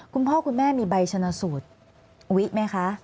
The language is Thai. คุณพ่อคุณแม่มีใบชนะสูตรวิไหมคะ